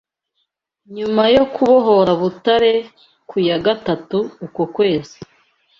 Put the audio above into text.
nyuma yo kubohora Butare ku ya gatatu uko kwezi